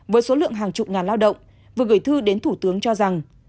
với số lượng hàng chục ngàn lao động vừa gửi thư đến thủ tướng cho rằng